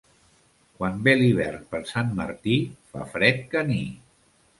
Quan ve l'hivern per Sant Martí, fa fred caní.